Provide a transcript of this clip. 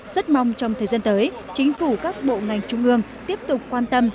rất mong trong thời gian tới chính phủ các bộ ngành trung ương tiếp tục quan tâm